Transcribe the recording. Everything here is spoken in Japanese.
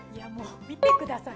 見てください。